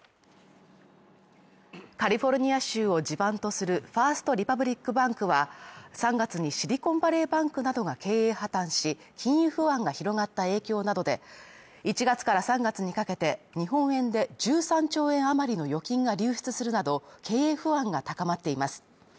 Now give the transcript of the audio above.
カリフォルニア州を地盤とするファースト・リパブリック・バンクは３月にシリコンバレーバンクなどが経営破綻し金融不安が広がった影響などで、１月から３月にかけて、日本円で１３兆円余りの預金が流出するなど、経営不安が高まっています。